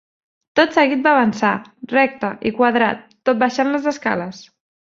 Tot seguit va avançar, recte i quadrat, tot baixant les escales.